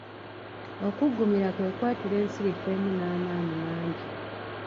Okuggumira kwe kwatula ensirifu emu n’amaanyi amangi.